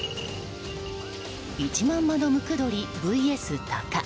１万羽のムクドリＶＳ鷹。